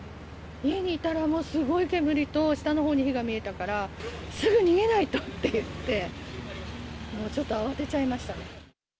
家にいたら、もうすごい煙と、下のほうに火が見えたから、すぐ逃げないとって言って、もうちょっと慌てちゃいましたね。